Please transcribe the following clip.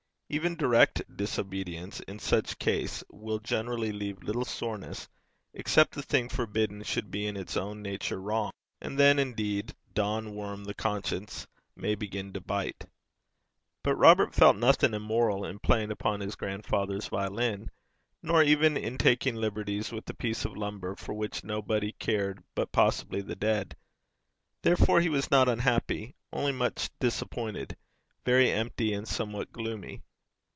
Even direct disobedience in such case will generally leave little soreness, except the thing forbidden should be in its own nature wrong, and then, indeed, 'Don Worm, the conscience,' may begin to bite. But Robert felt nothing immoral in playing upon his grandfather's violin, nor even in taking liberties with a piece of lumber for which nobody cared but possibly the dead; therefore he was not unhappy, only much disappointed, very empty, and somewhat gloomy.